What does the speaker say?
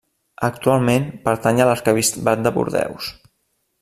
Actualment pertany a l'arquebisbat de Bordeus.